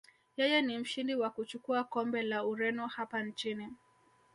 Yeye ni mshindi wa kuchukua kombe la urembo hapa nchini